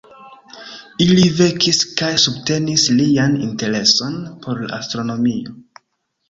Ili vekis kaj subtenis lian intereson por la astronomio.